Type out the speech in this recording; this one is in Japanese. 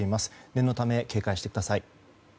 念のため警戒してください。